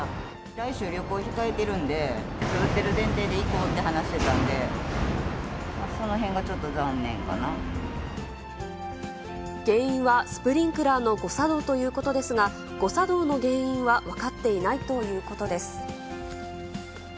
来週、旅行を控えてるんで、打ってる前提で行こうって話してたんで、そのへんがちょっと残念原因はスプリンクラーの誤作動ということですが、誤作動の原因は分かっていないということです。